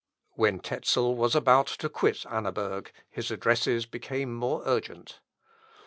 " When Tezel was about to quit Annaberg, his addresses became more urgent.